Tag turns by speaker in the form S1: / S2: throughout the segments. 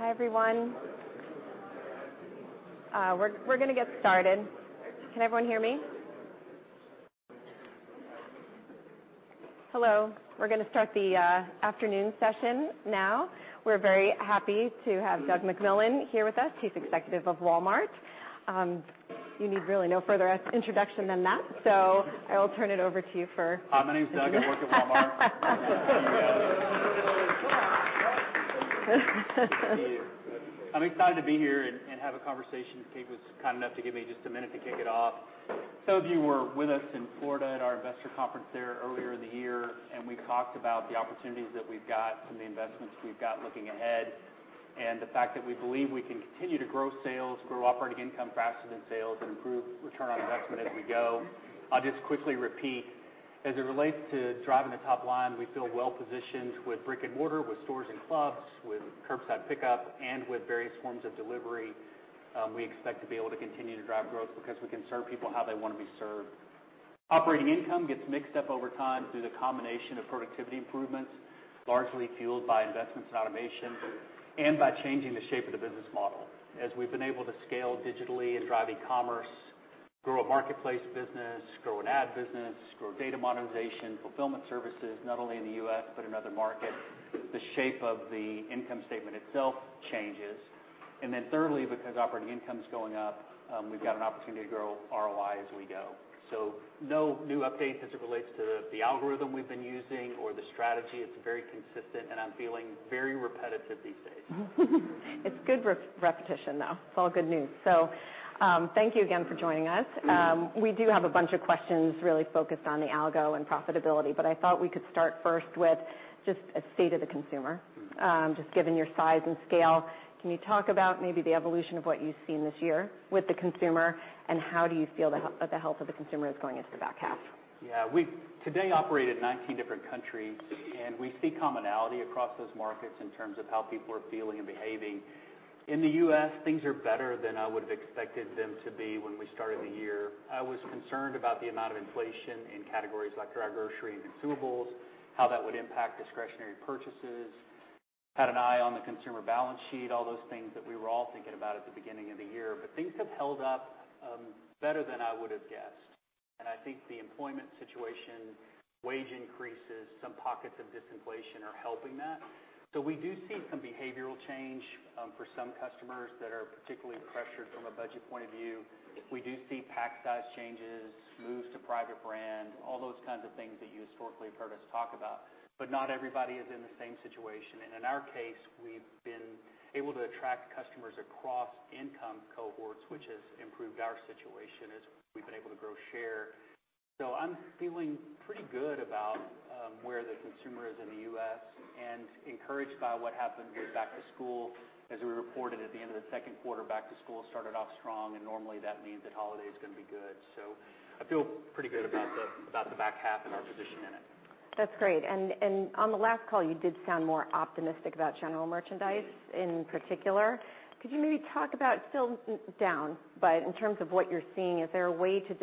S1: Hi, everyone. We're gonna get started. Can everyone hear me? Hello, we're gonna start the afternoon session now. We're very happy to have Doug McMillon here with us. He's executive of Walmart. You need really no further introduction than that, so I will turn it over to you for-
S2: Hi, my name's Doug. I work at Walmart. I'm excited to be here and have a conversation. Kate was kind enough to give me just a minute to kick it off. Some of you were with us in Florida at our investor conference there earlier in the year, and we talked about the opportunities that we've got and the investments we've got looking ahead, and the fact that we believe we can continue to grow sales, grow operating income faster than sales, and improve return on investment as we go. I'll just quickly repeat, as it relates to driving the top line, we feel well-positioned with brick-and-mortar, with stores and clubs, with curbside pickup, and with various forms of delivery. We expect to be able to continue to drive growth because we can serve people how they want to be served. Operating income gets mixed up over time through the combination of productivity improvements, largely fueled by investments in automation and by changing the shape of the business model. As we've been able to scale digitally and drive e-commerce, grow a Marketplace business, grow an ad business, grow data monetization, fulfillment services, not only in the U.S., but in other markets, the shape of the income statement itself changes. And then thirdly, because operating income's going up, we've got an opportunity to grow ROI as we go. So no new updates as it relates to the algorithm we've been using or the strategy. It's very consistent, and I'm feeling very repetitive these days.
S1: It's good repetition, though. It's all good news. So, thank you again for joining us.
S2: Mm-hmm.
S1: We do have a bunch of questions really focused on the algo and profitability, but I thought we could start first with just a state of the consumer.
S2: Mm.
S1: Just given your size and scale, can you talk about maybe the evolution of what you've seen this year with the consumer, and how do you feel the health of the consumer is going into the back half?
S2: Yeah, we today operate in 19 different countries, and we see commonality across those markets in terms of how people are feeling and behaving. In the U.S., things are better than I would've expected them to be when we started the year. I was concerned about the amount of inflation in categories like dry grocery and consumables, how that would impact discretionary purchases. Had an eye on the consumer balance sheet, all those things that we were all thinking about at the beginning of the year. But things have held up, better than I would've guessed, and I think the employment situation, wage increases, some pockets of disinflation are helping that. So we do see some behavioral change, for some customers that are particularly pressured from a budget point of view. We do see pack size changes, moves to private brand, all those kinds of things that you historically have heard us talk about. But not everybody is in the same situation, and in our case, we've been able to attract customers across income cohorts, which has improved our situation as we've been able to grow share. So I'm feeling pretty good about where the consumer is in the U.S. and encouraged by what happened with back to school. As we reported at the end of the second quarter, back to school started off strong, and normally that means that holiday is gonna be good. So I feel pretty good about the back half and our position in it.
S1: That's great. And on the last call, you did sound more optimistic about general merchandise in particular. Could you maybe talk about, still down, but in terms of what you're seeing, is there a way to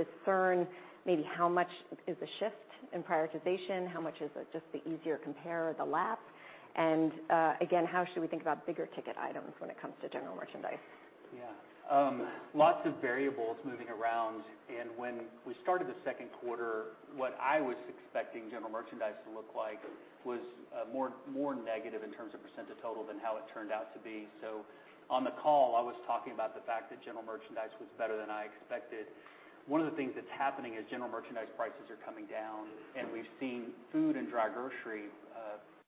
S1: discern maybe how much is a shift in prioritization? How much is it just the easier compare or the lap? And again, how should we think about bigger ticket items when it comes to general merchandise?
S2: Yeah. Lots of variables moving around. And when we started the second quarter, what I was expecting general merchandise to look like was, more, more negative in terms of percent of total than how it turned out to be. So on the call, I was talking about the fact that general merchandise was better than I expected. One of the things that's happening is general merchandise prices are coming down, and we've seen food and dry grocery,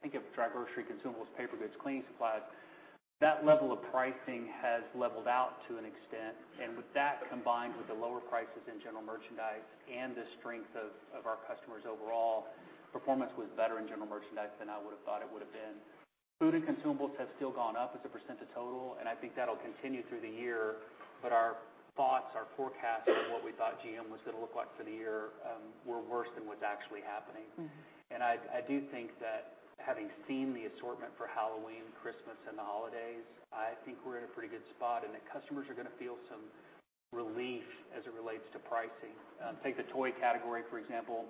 S2: think of dry grocery, consumables, paper goods, cleaning supplies, that level of pricing has leveled out to an extent. And with that, combined with the lower prices in general merchandise and the strength of our customers overall, performance was better in general merchandise than I would've thought it would've been. Food and consumables have still gone up as a percent of total, and I think that'll continue through the year. But our thoughts, our forecast of what we thought GM was gonna look like for the year, were worse than what's actually happening.
S1: Mm.
S2: I, I do think that having seen the assortment for Halloween, Christmas, and the holidays, I think we're in a pretty good spot, and the customers are gonna feel some relief as it relates to pricing. Take the toy category, for example,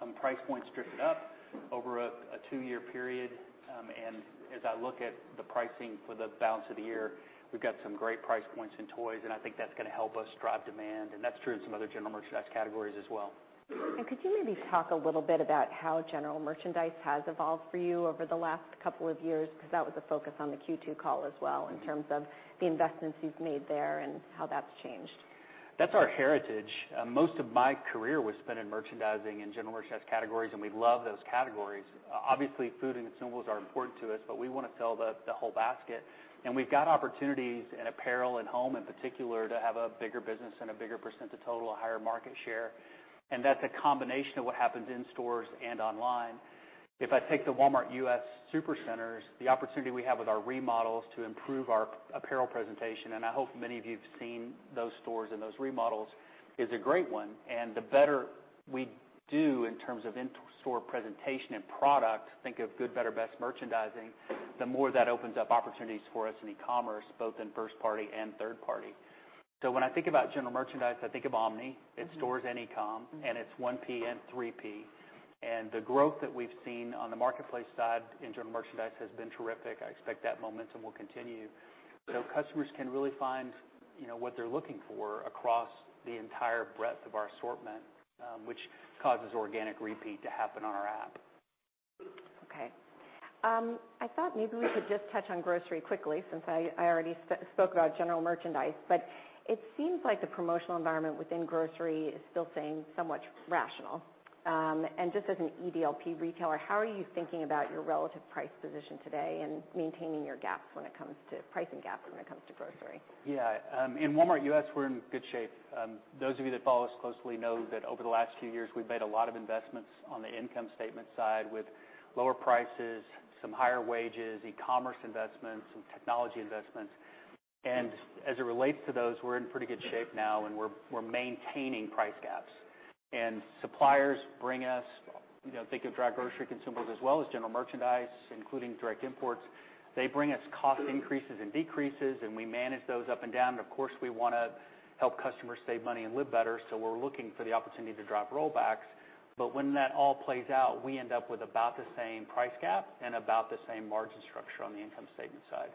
S2: some price points drifted up over a two-year period. And as I look at the pricing for the balance of the year, we've got some great price points in toys, and I think that's gonna help us drive demand, and that's true in some other general merchandise categories as well.
S1: Could you maybe talk a little bit about how general merchandise has evolved for you over the last couple of years? Because that was a focus on the Q2 call as well, in terms of the investments you've made there and how that's changed.
S2: That's our heritage. Most of my career was spent in merchandising and general merchandise categories, and we love those categories. Obviously, food and consumables are important to us, but we want to sell the, the whole basket. We've got opportunities in apparel and home, in particular, to have a bigger business and a bigger percent of total, a higher market share, and that's a combination of what happens in stores and online. If I take the Walmart U.S. supercenters, the opportunity we have with our remodels to improve our apparel presentation, and I hope many of you have seen those stores and those remodels, is a great one. The better we do in terms of in-store presentation and product, think of good, better, best merchandising, the more that opens up opportunities for us in e-commerce, both in first party and third party.... So when I think about general merchandise, I think of Omni, it's stores and e-com, and it's 1P and 3P. The growth that we've seen on the Marketplace side in general merchandise has been terrific. I expect that momentum will continue. So customers can really find, you know, what they're looking for across the entire breadth of our assortment, which causes organic repeat to happen on our app.
S1: Okay. I thought maybe we could just touch on grocery quickly, since I already spoke about general merchandise. But it seems like the promotional environment within grocery is still staying somewhat rational. And just as an EDLP retailer, how are you thinking about your relative price position today and maintaining your gaps when it comes to pricing gap when it comes to grocery?
S2: Yeah, in Walmart U.S., we're in good shape. Those of you that follow us closely know that over the last few years, we've made a lot of investments on the income statement side with lower prices, some higher wages, e-commerce investments, and technology investments. And as it relates to those, we're in pretty good shape now, and we're maintaining price gaps. And suppliers bring us, you know, think of dry grocery consumables as well as general merchandise, including direct imports. They bring us cost increases and decreases, and we manage those up and down. Of course, we want to help customers save money and live better, so we're looking for the opportunity to drop rollbacks. But when that all plays out, we end up with about the same price gap and about the same margin structure on the income statement side.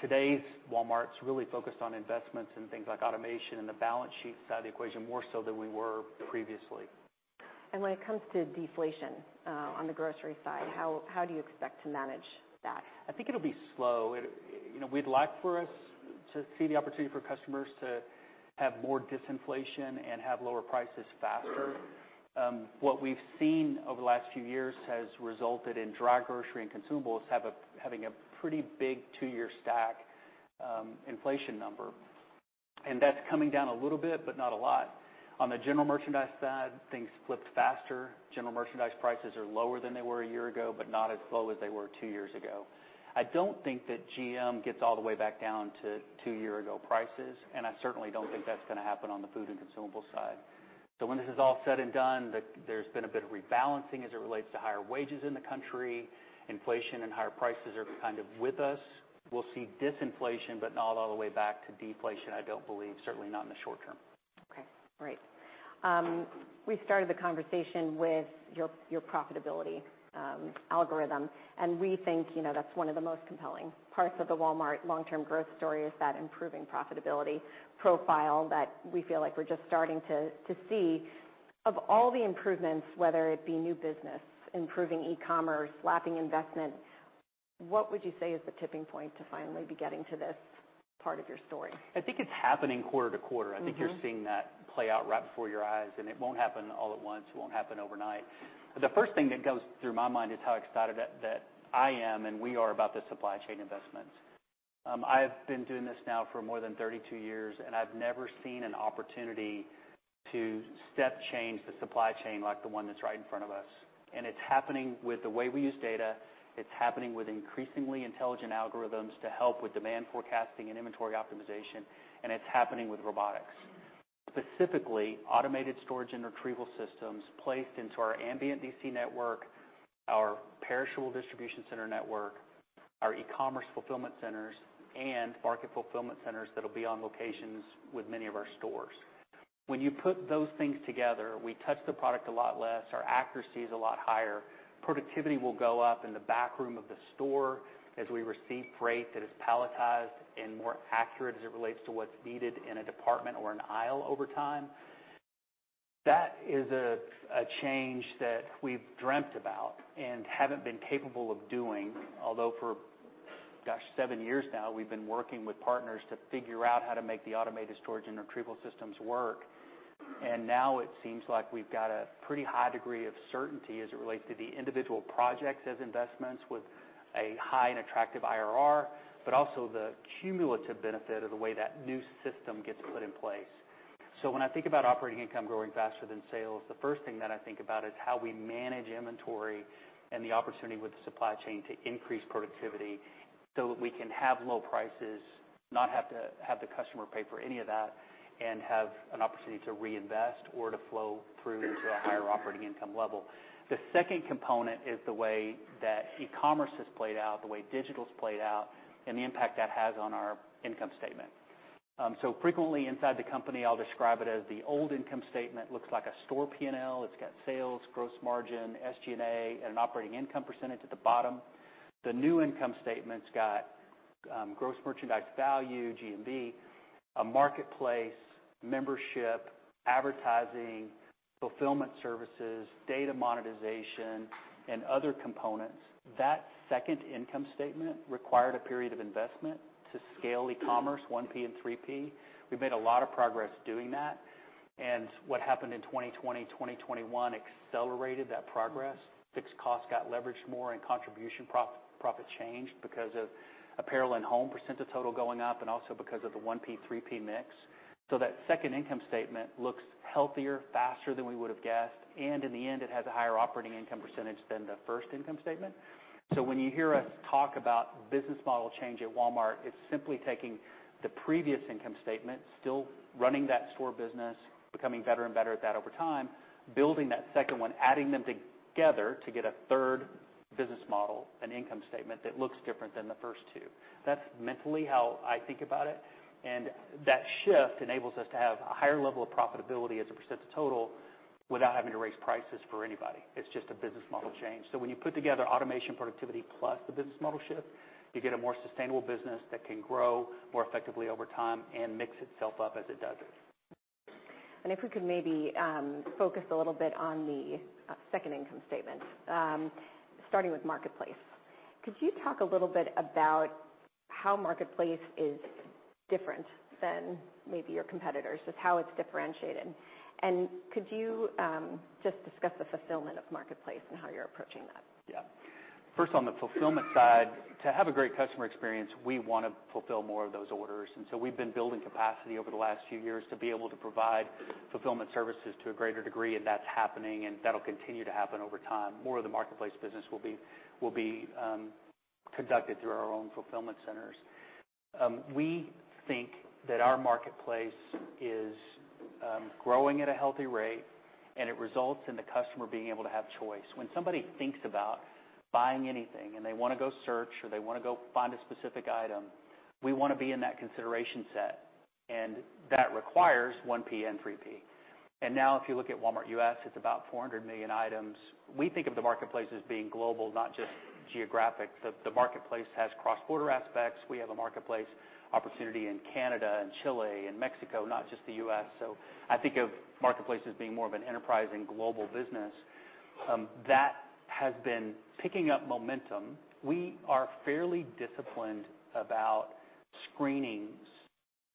S2: Today's Walmart's really focused on investments and things like automation and the balance sheet side of the equation, more so than we were previously.
S1: When it comes to deflation, on the grocery side, how, how do you expect to manage that?
S2: I think it'll be slow. You know, we'd like for us to see the opportunity for customers to have more disinflation and have lower prices faster. What we've seen over the last few years has resulted in dry grocery and consumables having a pretty big two-year stack inflation number, and that's coming down a little bit, but not a lot. On the general merchandise side, things flipped faster. General merchandise prices are lower than they were a year ago, but not as low as they were two years ago. I don't think that GM gets all the way back down to two year ago prices, and I certainly don't think that's going to happen on the food and consumables side. So when this is all said and done, there's been a bit of rebalancing as it relates to higher wages in the country. Inflation and higher prices are kind of with us. We'll see disinflation, but not all the way back to deflation, I don't believe, certainly not in the short term.
S1: Okay, great. We started the conversation with your profitability algorithm, and we think, you know, that's one of the most compelling parts of the Walmart long-term growth story, is that improving profitability profile that we feel like we're just starting to see. Of all the improvements, whether it be new business, improving e-commerce, lapping investment, what would you say is the tipping point to finally be getting to this part of your story?
S2: I think it's happening quarter-over-quarter.
S1: Mm-hmm.
S2: I think you're seeing that play out right before your eyes, and it won't happen all at once. It won't happen overnight. But the first thing that goes through my mind is how excited that, that I am and we are about the supply chain investments. I've been doing this now for more than 32 years, and I've never seen an opportunity to step change the supply chain like the one that's right in front of us. And it's happening with the way we use data. It's happening with increasingly intelligent algorithms to help with demand forecasting and inventory optimization, and it's happening with robotics. Specifically, automated storage and retrieval systems placed into our ambient DC network, our perishable distribution center network, our e-commerce fulfillment centers, and market fulfillment centers that'll be on locations with many of our stores. When you put those things together, we touch the product a lot less. Our accuracy is a lot higher. Productivity will go up in the backroom of the store as we receive freight that is palletized and more accurate as it relates to what's needed in a department or an aisle over time. That is a change that we've dreamt about and haven't been capable of doing, although for, gosh, seven years now, we've been working with partners to figure out how to make the automated storage and retrieval systems work. And now it seems like we've got a pretty high degree of certainty as it relates to the individual projects as investments with a high and attractive IRR, but also the cumulative benefit of the way that new system gets put in place. So when I think about operating income growing faster than sales, the first thing that I think about is how we manage inventory and the opportunity with the supply chain to increase productivity so that we can have low prices, not have to have the customer pay for any of that, and have an opportunity to reinvest or to flow through to a higher operating income level. The second component is the way that e-commerce has played out, the way digital's played out, and the impact that has on our income statement. So frequently inside the company, I'll describe it as the old income statement, looks like a store P&L. It's got sales, gross margin, SG&A, and an operating income percentage at the bottom. The new income statement's got, gross merchandise value, GMV, a Marketplace, membership, advertising, fulfillment services, data monetization, and other components. That second income statement required a period of investment to scale e-commerce, 1P and 3P. We've made a lot of progress doing that, and what happened in 2020, 2021 accelerated that progress. Fixed costs got leveraged more and contribution profit changed because of apparel and home percent of total going up and also because of the 1P, 3P mix. So that second income statement looks healthier, faster than we would have guessed, and in the end, it has a higher operating income percentage than the first income statement. So when you hear us talk about business model change at Walmart, it's simply taking the previous income statement, still running that store business, becoming better and better at that over time, building that second one, adding them together to get a third business model, an income statement that looks different than the first two. That's mentally how I think about it, and that shift enables us to have a higher level of profitability as a percent of total without having to raise prices for anybody. It's just a business model change. So when you put together automation, productivity, plus the business model shift, you get a more sustainable business that can grow more effectively over time and mix itself up as it does it.
S1: If we could maybe focus a little bit on the second income statement starting with Marketplace. Could you talk a little bit about how Marketplace is different than maybe your competitors, just how it's differentiated? And could you just discuss the fulfillment of Marketplace and how you're approaching that?
S2: Yeah. First, on the fulfillment side, to have a great customer experience, we want to fulfill more of those orders, and so we've been building capacity over the last few years to be able to provide fulfillment services to a greater degree, and that's happening, and that'll continue to happen over time. More of the Marketplace business will be conducted through our own fulfillment centers. We think that our Marketplace is growing at a healthy rate, and it results in the customer being able to have choice. When somebody thinks about buying anything, and they want to go search, or they want to go find a specific item, we want to be in that consideration set, and that requires 1P and 3P. Now, if you look at Walmart U.S., it's about 400 million items. We think of the Marketplace as being global, not just geographic. The Marketplace has cross-border aspects. We have a Marketplace opportunity in Canada and Chile and Mexico, not just the U.S. So I think of Marketplace as being more of an enterprise and global business. That has been picking up momentum. We are fairly disciplined about screening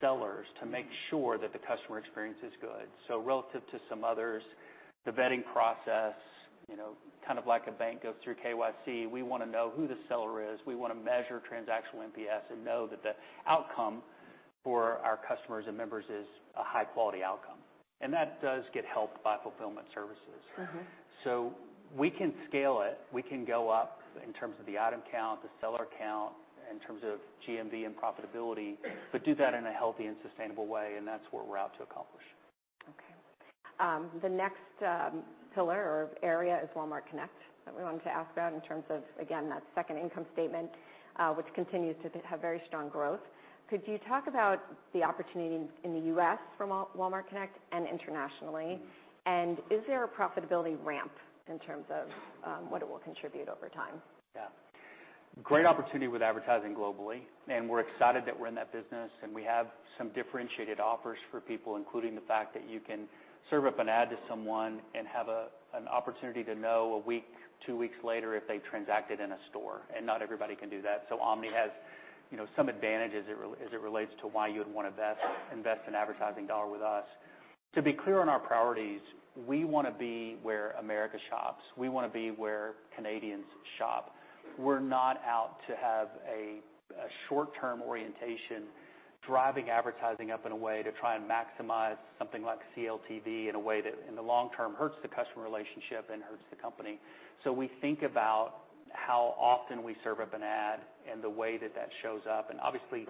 S2: sellers to make sure that the customer experience is good. So relative to some others, the vetting process, you know, kind of like a bank goes through KYC, we want to know who the seller is. We want to measure transactional NPS and know that the outcome for our customers and members is a high-quality outcome, and that does get helped by fulfillment services.
S1: Mm-hmm.
S2: So we can scale it. We can go up in terms of the item count, the seller count, in terms of GMV and profitability, but do that in a healthy and sustainable way, and that's what we're out to accomplish.
S1: Okay. The next pillar or area is Walmart Connect that we wanted to ask about in terms of, again, that second income statement, which continues to have very strong growth. Could you talk about the opportunity in the U.S. for Walmart Connect and internationally? And is there a profitability ramp in terms of, what it will contribute over time?
S2: Yeah. Great opportunity with advertising globally, and we're excited that we're in that business, and we have some differentiated offers for people, including the fact that you can serve up an ad to someone and have an opportunity to know a week, two weeks later if they transacted in a store, and not everybody can do that. So Omni has, you know, some advantages as it relates to why you would want to invest an advertising dollar with us. To be clear on our priorities, we want to be where America shops. We want to be where Canadians shop. We're not out to have a short-term orientation, driving advertising up in a way to try and maximize something like CLTV in a way that, in the long term, hurts the customer relationship and hurts the company. So we think about how often we serve up an ad and the way that that shows up, and obviously,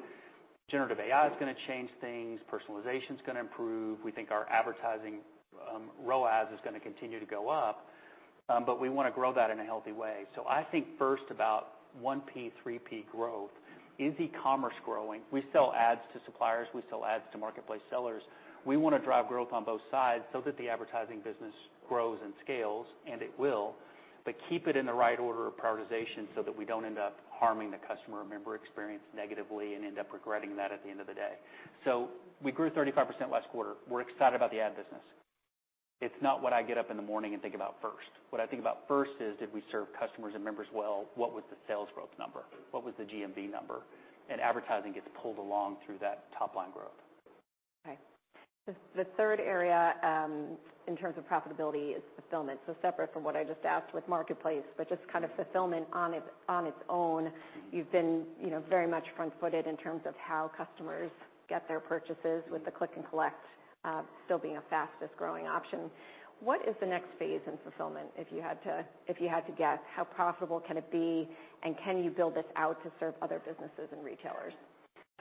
S2: generative AI is going to change things. Personalization's going to improve. We think our advertising, ROAS is going to continue to go up, but we want to grow that in a healthy way. So I think first about 1P, 3P growth. Is e-commerce growing? We sell ads to suppliers. We sell ads to Marketplace sellers. We want to drive growth on both sides so that the advertising business grows and scales, and it will, but keep it in the right order of prioritization so that we don't end up harming the customer or member experience negatively and end up regretting that at the end of the day. So we grew 35% last quarter. We're excited about the ad business. It's not what I get up in the morning and think about first. What I think about first is, did we serve customers and members well? What was the sales growth number? What was the GMV number? Advertising gets pulled along through that top-line growth.
S1: Okay. The third area in terms of profitability is fulfillment, so separate from what I just asked with Marketplace, but just kind of fulfillment on its own. You've been, you know, very much front-footed in terms of how customers get their purchases, with the click and collect still being the fastest-growing option. What is the next phase in fulfillment, if you had to guess? How profitable can it be, and can you build this out to serve other businesses and retailers?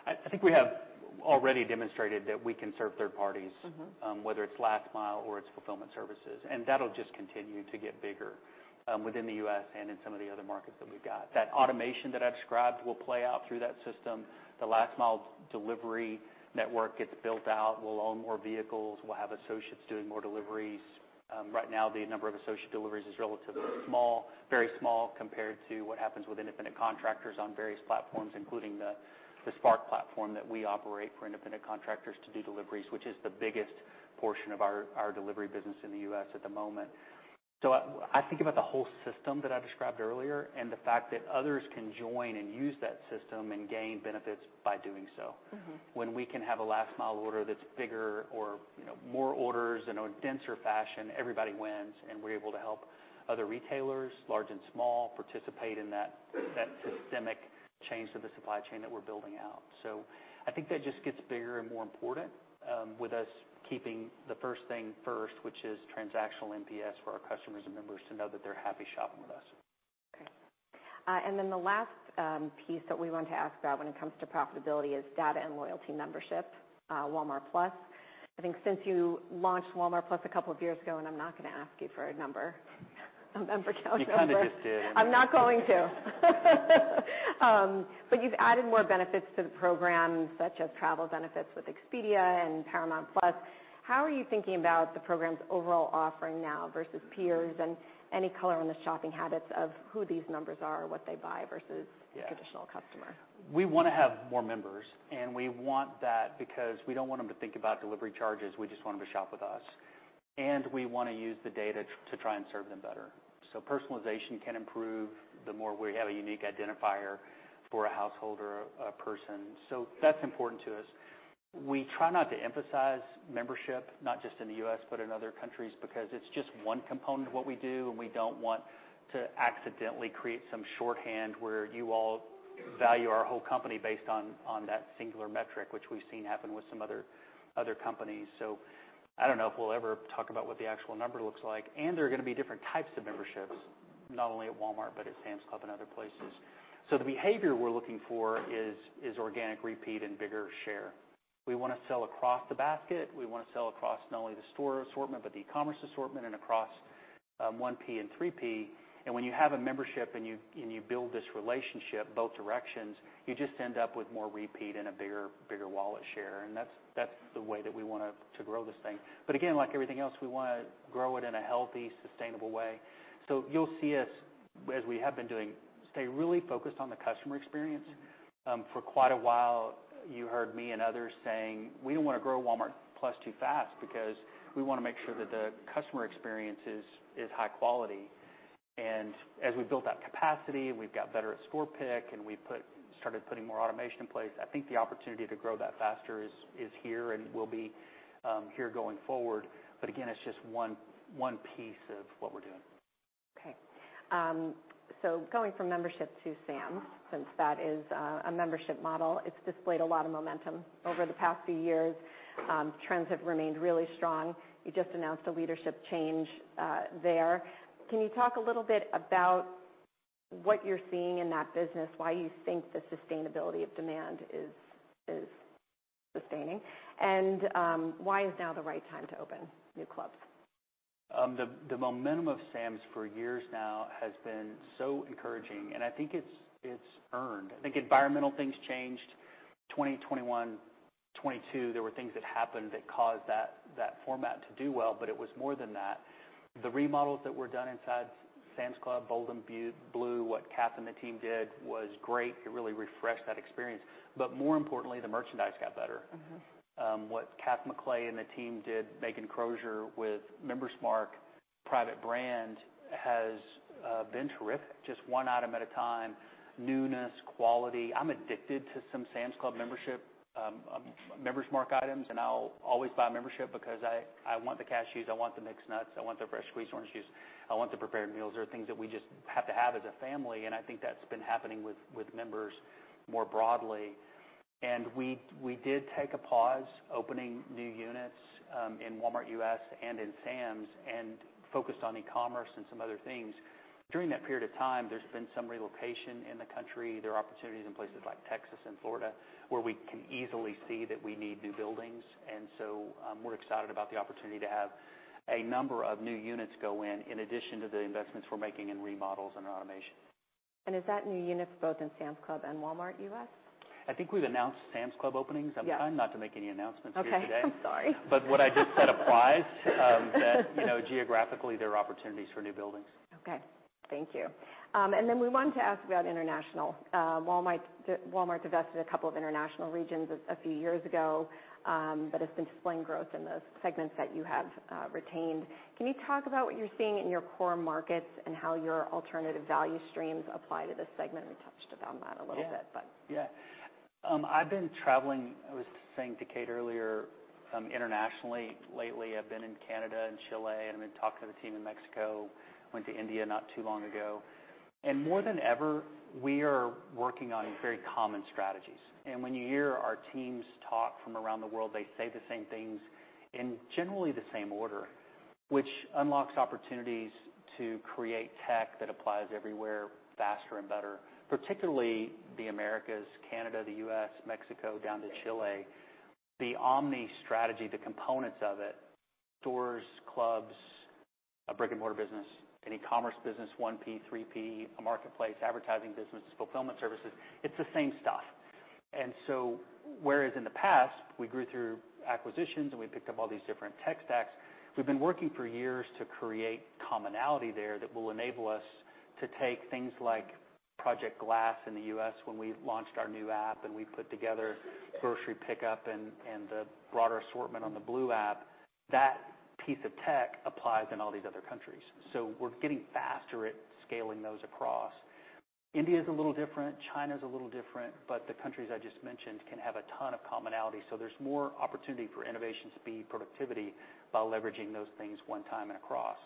S2: I think we have already demonstrated that we can serve third parties-
S1: Mm-hmm.
S2: Whether it's last mile or it's fulfillment services, and that'll just continue to get bigger within the U.S. and in some of the other markets that we've got. That automation that I described will play out through that system. The last-mile delivery network gets built out. We'll own more vehicles. We'll have associates doing more deliveries. Right now, the number of associate deliveries is relatively small, very small compared to what happens with independent contractors on various platforms, including the Spark platform that we operate for independent contractors to do deliveries, which is the biggest portion of our delivery business in the U.S. at the moment. So I think about the whole system that I described earlier and the fact that others can join and use that system and gain benefits by doing so.
S1: Mm-hmm.
S2: When we can have a last-mile order that's bigger or, you know, more orders in a denser fashion, everybody wins, and we're able to help other retailers, large and small, participate in that, that systemic change to the supply chain that we're building out. So I think that just gets bigger and more important, with us keeping the first thing first, which is transactional NPS for our customers and members to know that they're happy shopping with us.
S1: Okay.... and then the last piece that we want to ask about when it comes to profitability is data and loyalty membership, Walmart+. I think since you launched Walmart+ a couple of years ago, and I'm not gonna ask you for a number, a member count number.
S2: You kind of just did.
S1: I'm not going to. But you've added more benefits to the program, such as travel benefits with Expedia and Paramount+. How are you thinking about the program's overall offering now versus peers, and any color on the shopping habits of who these numbers are, what they buy versus-
S2: Yeah.
S1: -the traditional customer?
S2: We wanna have more members, and we want that because we don't want them to think about delivery charges, we just want them to shop with us. And we wanna use the data to try and serve them better. So personalization can improve the more we have a unique identifier for a householder, person. So that's important to us. We try not to emphasize membership, not just in the U.S., but in other countries, because it's just one component of what we do, and we don't want to accidentally create some shorthand where you all value our whole company based on that singular metric, which we've seen happen with some other companies. So I don't know if we'll ever talk about what the actual number looks like. And there are gonna be different types of memberships, not only at Walmart, but at Sam's Club and other places. So the behavior we're looking for is organic repeat and bigger share. We wanna sell across the basket. We wanna sell across not only the store assortment, but the e-commerce assortment, and across 1P and 3P. And when you have a membership and you build this relationship both directions, you just end up with more repeat and a bigger wallet share, and that's the way that we want to grow this thing. But again, like everything else, we wanna grow it in a healthy, sustainable way. So you'll see us, as we have been doing, stay really focused on the customer experience. For quite a while, you heard me and others saying, "We don't want to grow Walmart+ too fast, because we wanna make sure that the customer experience is high quality." And as we've built that capacity, we've got better at store pick, and we started putting more automation in place, I think the opportunity to grow that faster is here and will be here going forward. But again, it's just one piece of what we're doing.
S1: Okay. So going from membership to Sam's, since that is a membership model. It's displayed a lot of momentum over the past few years. Trends have remained really strong. You just announced a leadership change there. Can you talk a little bit about what you're seeing in that business, why you think the sustainability of demand is sustaining? And why is now the right time to open new clubs?
S2: The momentum of Sam's for years now has been so encouraging, and I think it's earned. I think environmental things changed. 2021, 2022, there were things that happened that caused that format to do well, but it was more than that. The remodels that were done inside Sam's Club, Bold and Blue, what Kath and the team did was great. It really refreshed that experience. But more importantly, the merchandise got better.
S1: Mm-hmm.
S2: What Kath McLay and the team did, Megan Crozier, with Member's Mark private brand has been terrific. Just one item at a time, newness, quality. I'm addicted to some Sam's Club membership, Member's Mark items, and I'll always buy membership because I want the cashews, I want the mixed nuts, I want the fresh-squeezed orange juice, I want the prepared meals. There are things that we just have to have as a family, and I think that's been happening with members more broadly. We did take a pause opening new units in Walmart U.S. and in Sam's, and focused on e-commerce and some other things. During that period of time, there's been some relocation in the country. There are opportunities in places like Texas and Florida, where we can easily see that we need new buildings. We're excited about the opportunity to have a number of new units go in, in addition to the investments we're making in remodels and automation.
S1: Is that new units both in Sam's Club and Walmart U.S.?
S2: I think we've announced Sam's Club openings.
S1: Yeah.
S2: I'm trying not to make any announcements here today.
S1: Okay, I'm sorry.
S2: But what I just said applies. That, you know, geographically, there are opportunities for new buildings.
S1: Okay, thank you. And then we wanted to ask about international. Walmart divested a couple of international regions a few years ago, but has been displaying growth in the segments that you have retained. Can you talk about what you're seeing in your core markets, and how your alternative value streams apply to this segment? We touched on that a little bit, but-
S2: Yeah. I've been traveling, I was saying to Kate earlier, internationally. Lately, I've been in Canada and Chile, and I've been talking to the team in Mexico. Went to India not too long ago. More than ever, we are working on very common strategies. And when you hear our teams talk from around the world, they say the same things in generally the same order, which unlocks opportunities to create tech that applies everywhere faster and better, particularly the Americas, Canada, the U.S., Mexico, down to Chile. The Omni strategy, the components of it, stores, clubs, a brick-and-mortar business, an e-commerce business, 1P, 3P, a Marketplace, advertising business, fulfillment services, it's the same stuff. Whereas in the past, we grew through acquisitions and we picked up all these different tech stacks, we've been working for years to create commonality there that will enable us to take things like Project Glass in the U.S. when we launched our new app, and we put together grocery pickup and the broader assortment on the Blue app. That piece of tech applies in all these other countries. So we're getting faster at scaling those across. India's a little different, China's a little different, but the countries I just mentioned can have a ton of commonality, so there's more opportunity for innovation, speed, productivity by leveraging those things one time and across.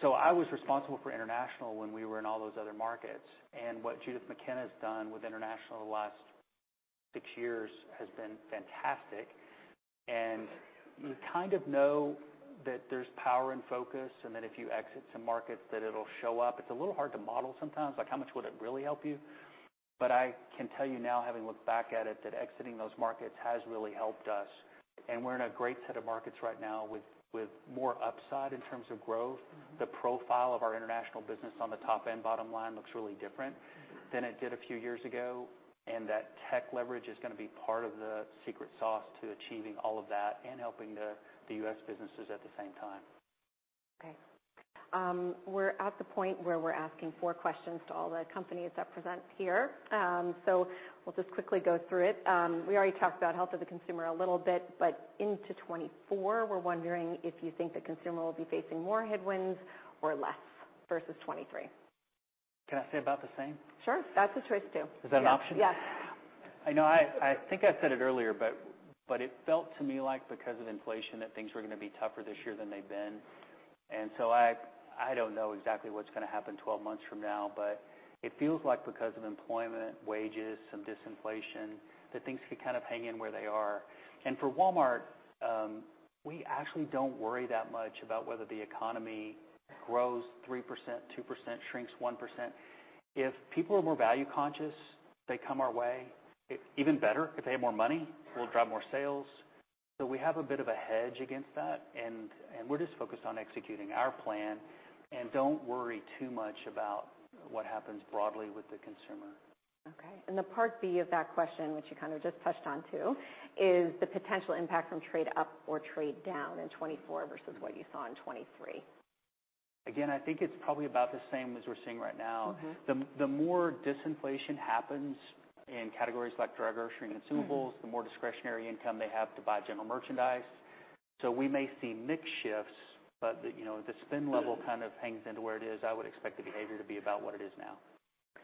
S2: So I was responsible for international when we were in all those other markets, and what Judith McKenna has done with international the last-... Six years has been fantastic, and you kind of know that there's power in focus, and that if you exit some markets, that it'll show up. It's a little hard to model sometimes, like, how much would it really help you? But I can tell you now, having looked back at it, that exiting those markets has really helped us, and we're in a great set of markets right now with, with more upside in terms of growth. The profile of our international business on the top and bottom line looks really different than it did a few years ago, and that tech leverage is going to be part of the secret sauce to achieving all of that and helping the, the U.S. businesses at the same time.
S1: Okay, we're at the point where we're asking four questions to all the companies that present here. We'll just quickly go through it. We already talked about health of the consumer a little bit, but into 2024, we're wondering if you think the consumer will be facing more headwinds or less versus 2023?
S2: Can I say about the same?
S1: Sure. That's a choice, too.
S2: Is that an option?
S1: Yes.
S2: I know, I think I said it earlier, but it felt to me like because of inflation, that things were going to be tougher this year than they've been. And so I don't know exactly what's going to happen 12 months from now, but it feels like because of employment, wages, some disinflation, that things could kind of hang in where they are. And for Walmart, we actually don't worry that much about whether the economy grows 3%, 2%, shrinks 1%. If people are more value conscious, they come our way. Even better, if they have more money, we'll drive more sales. So we have a bit of a hedge against that, and we're just focused on executing our plan and don't worry too much about what happens broadly with the consumer.
S1: Okay. And the part B of that question, which you kind of just touched on, too, is the potential impact from trade up or trade down in 2024 versus what you saw in 2023.
S2: Again, I think it's probably about the same as we're seeing right now.
S1: Mm-hmm.
S2: The more disinflation happens in categories like dry grocery, and consumables, the more discretionary income they have to buy general merchandise. So we may see mix shifts, but you know, the spend level kind of hangs into where it is. I would expect the behavior to be about what it is now.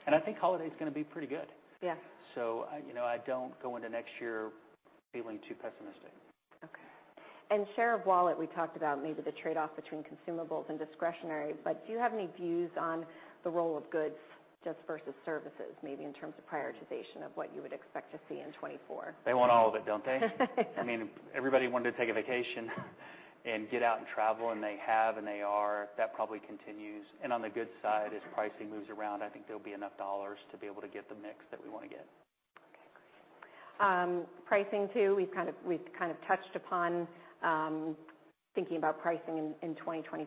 S2: And I think holiday is going to be pretty good.
S1: Yeah.
S2: I, you know, I don't go into next year feeling too pessimistic.
S1: Okay. Share of wallet, we talked about maybe the trade-off between consumables and discretionary, but do you have any views on the role of goods just versus services, maybe in terms of prioritization of what you would expect to see in 2024?
S2: They want all of it, don't they? I mean, everybody wanted to take a vacation and get out and travel, and they have, and they are. That probably continues. On the good side, as pricing moves around, I think there'll be enough dollars to be able to get the mix that we want to get.
S1: Okay. Pricing, too, we've kind of touched upon, thinking about pricing in 2024.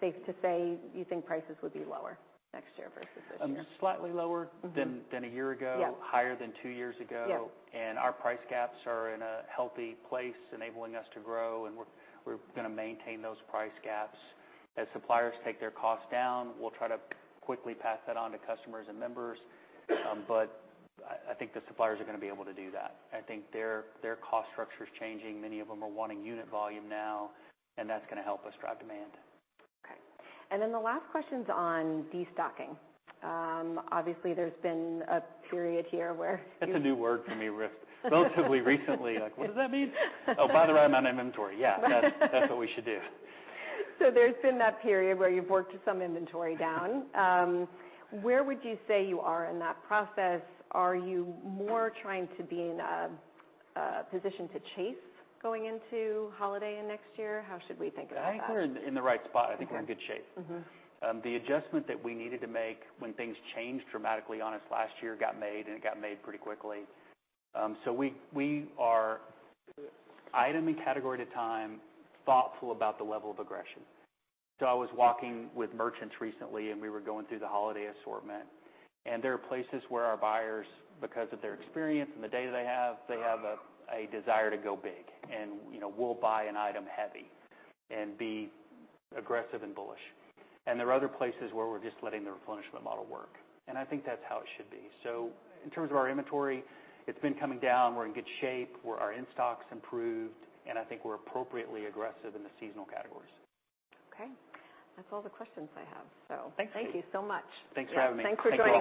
S1: Safe to say, you think prices would be lower next year versus this year?
S2: Slightly lower-
S1: Mm-hmm...
S2: than a year ago.
S1: Yeah.
S2: Higher than two years ago.
S1: Yeah.
S2: Our price gaps are in a healthy place, enabling us to grow, and we're going to maintain those price gaps. As suppliers take their costs down, we'll try to quickly pass that on to customers and members. But I think the suppliers are going to be able to do that. I think their cost structure is changing. Many of them are wanting unit volume now, and that's going to help us drive demand.
S1: Okay. And then the last question's on destocking. Obviously, there's been a period here where-
S2: That's a new word for me, relatively recently. Like, what does that mean? Oh, by the way, I'm out of inventory. Yeah, that's, that's what we should do.
S1: So there's been that period where you've worked some inventory down. Where would you say you are in that process? Are you more trying to be in a position to chase going into holiday and next year? How should we think about that?
S2: I think we're in the right spot.
S1: Okay.
S2: I think we're in good shape.
S1: Mm-hmm.
S2: The adjustment that we needed to make when things changed dramatically on us last year got made, and it got made pretty quickly. So we, we are item and category at a time, thoughtful about the level of aggression. So I was walking with merchants recently, and we were going through the holiday assortment, and there are places where our buyers, because of their experience and the data they have, they have a, a desire to go big and, you know, we'll buy an item heavy and be aggressive and bullish. And there are other places where we're just letting the replenishment model work, and I think that's how it should be. So in terms of our inventory, it's been coming down. We're in good shape, where our in-stocks improved, and I think we're appropriately aggressive in the seasonal categories.
S1: Okay. That's all the questions I have. So-
S2: Thank you.
S1: Thank you so much.
S2: Thanks for having me.
S1: Thanks for joining us.